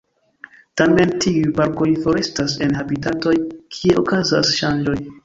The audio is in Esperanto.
Tamen, tiuj parkoj forestas en habitatoj kie okazas ŝanĝoj.